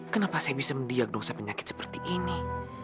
kenapa saya bisa mendiagnosa penyakit seperti ini